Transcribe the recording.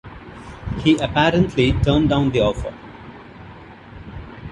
He apparently turned down the offer.